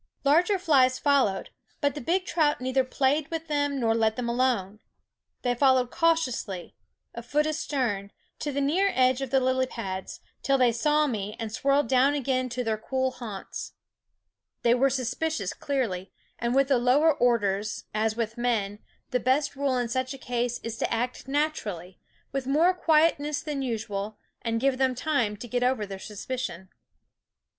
Larger flies followed; but the big trout neither played with them nor let them alone. They fol lowed cautiously, a foot astern, to the near edge of the lily pads, till they saw me and swirled down again to their cool haunts. THE WOODS They were suspicious clearly; and with the lower orders, as with men, the best rule in ~v <Parfrid&es* such a case is to act naturally, with more quietness than usual, and give them time to get over their suspicion.